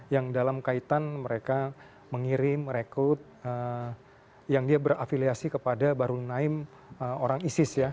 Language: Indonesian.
yang dalam kaitan mereka mengirim rekrut yang dia berafiliasi kepada baru naim orang isi